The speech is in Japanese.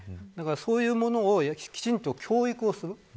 だから、そういうものをきちんと教育をする。